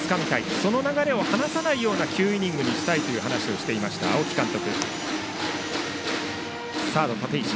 その流れを離さないような９イニングにしたいという話をしていた青木監督。